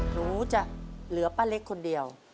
หนูจะเหลือป้าเล็กคนเดียว